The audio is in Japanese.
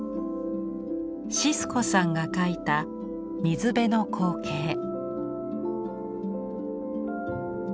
シスコさんが描いた水辺の光景。